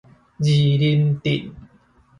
二林鎮